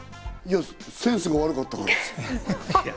センスが悪かったからです。